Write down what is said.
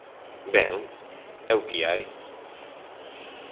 Ben, é o que hai.